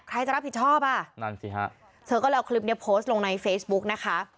ใครจะรับผิดชอบอ่ะนั่นสิฮะเธอก็เลยเอาคลิปเนี้ยโพสต์ลงในเฟซบุ๊กนะคะ